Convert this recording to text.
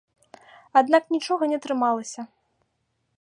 Аднак нічога не атрымалася.